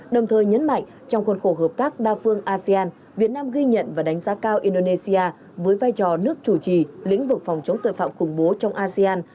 đồng thời nhấn mạnh trong khuôn khổ hợp tác đa phương asean việt nam ghi nhận và đánh giá cao indonesia với vai trò nước chủ trì lĩnh vực phòng chống tội phạm khủng bố trong asean